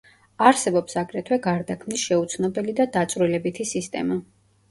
არსებობს აგრეთვე გარდაქმნის შეუცნობელი და დაწვრილებითი სისტემა.